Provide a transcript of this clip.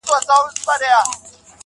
فريادي داده محبت کار په سلگيو نه سي~